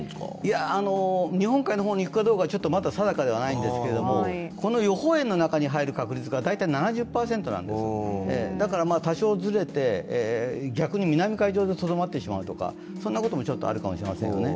いや、日本海の方に行くかどうかは定かではないんですがこの予報円の中に入る確率が７０％なんです、だから多少ずれて逆に南海上でとどまってしまうとかそんなこともあるかもしれませんよね。